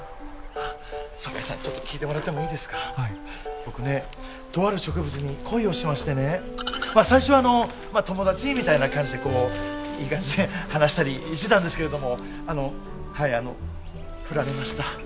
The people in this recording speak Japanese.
僕ねとある植物に恋をしましてねまあ最初はあの友達みたいな感じでこういい感じに話したりしてたんですけれどもあのはいあの振られました。